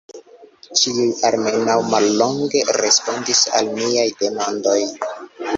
Ĉiuj almenaŭ mallonge respondis al niaj demandoj.